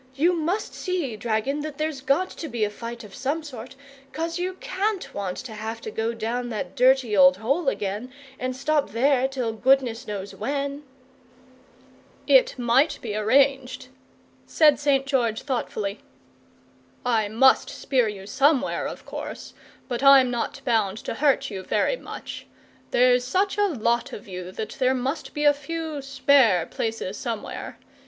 "You must see, dragon, that there's got to be a fight of some sort, 'cos you can't want to have to go down that dirty old hole again and stop there till goodness knows when." "It might be arranged," said St. George, thoughtfully. "I MUST spear you somewhere, of course, but I'm not bound to hurt you very much. There's such a lot of you that there must be a few SPARE places somewhere.